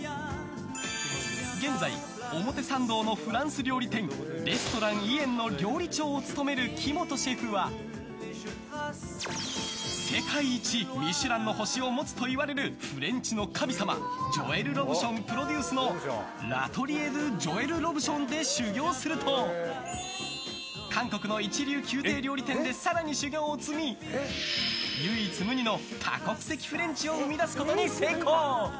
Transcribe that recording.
現在、表参道のフランス料理店レストラン・イェンの料理長を務める木本シェフは世界一「ミシュラン」の星を持つといわれるフレンチの神様ジョエル・ロブションプロデュースのラトリエドゥジョエル・ロブションで修業すると韓国の一流宮廷料理店で更に修業を積み唯一無二の多国籍フレンチを生み出すことに成功。